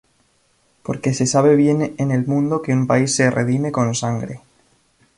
Porque se sabe bien en el mundo que un país se redime con sangre.